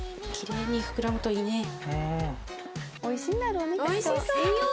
おいしいんだろうねきっと。